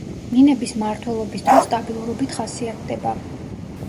მინების მმართველობის დრო სტაბილურობით ხასიათდება.